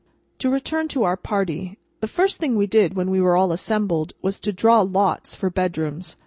To return to our party. The first thing we did when we were all assembled, was, to draw lots for bedrooms.